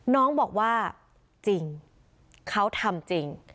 น้องบอกว่าจริงเขาทำจริง